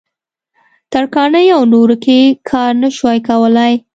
ترکاڼۍ او نورو کې کار نه شوای کولای.